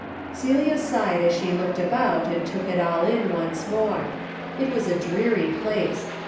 Celia sighed as she looked about and took it all in once more. It was a dreary place.